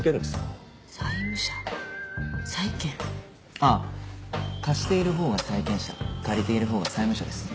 ああ貸しているほうが債権者借りているほうが債務者です。